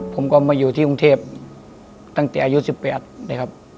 ผมก็มาอยู่ที่กรุงเทพตั้งแต่อายุ๑๘เลยครับ